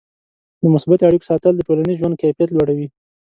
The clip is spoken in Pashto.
د مثبتو اړیکو ساتل د ټولنیز ژوند کیفیت لوړوي.